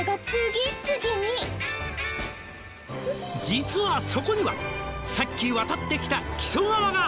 「実はそこにはさっき渡ってきた木曽川が」